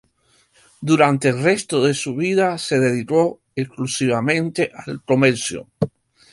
Durante el resto de su vida se dedicó exclusivamente al comercio.